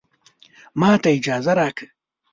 ماته اجازه راکړه